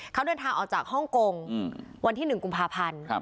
เขาเดินทางออกจากฮ่องกงวันที่๑กุมภาพันธ์